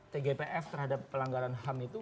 tgpf terhadap pelanggaran ham itu